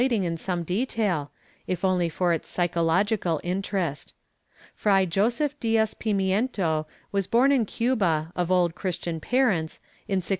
Chap. IV] RELAPSE 205 in some detail, if only for its psychological interest. Fray Joseph Diaz Pimiento was born in Cuba, of Old Christian parents, in 1687.